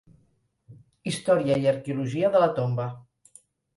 Història i arqueologia de la tomba.